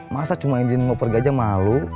masa cuma izin mau pergi aja malu